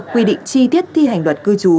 quy định chi tiết thi hành luật cư trú